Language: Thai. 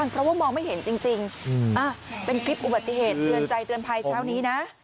เพราะว่ามองไม่เห็นจริงเป็นคลิปอุบัติเหตุเตือนใจเตือนภัยเช้านี้นะ